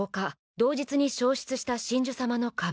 同日に消失した神樹様の壁。